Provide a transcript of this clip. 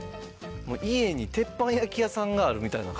家に鉄板焼き屋さんがあるみたいな感じやん。